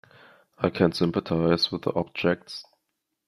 I can sympathize with the objects.